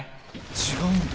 違うんだ。